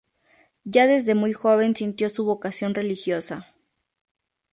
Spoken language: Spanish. Ya desde muy joven sintió su vocación religiosa.